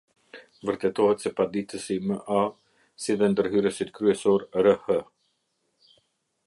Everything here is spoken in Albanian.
Vërtetohet se paditësi M A si dhe ndërhyrësit kryesor R h